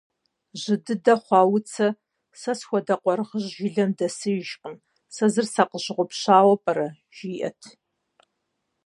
Жьы дыдэ хъуа Уцэ: «Сэ схуэдэ къуаргъыжь жылэм дэсыжкъым, сэ зыр сакъыщыгъупщауэ пӏэрэ?», жиӏэрт.